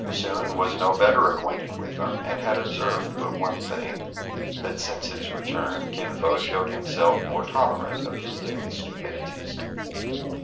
Soun was no better acquainted with them, and had observed but one thing, that since his return Kin Fo showed himself more tol erant of his daily stupidities.